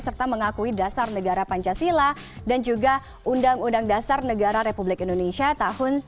serta mengakui dasar negara pancasila dan juga undang undang dasar negara republik indonesia tahun seribu sembilan ratus empat puluh lima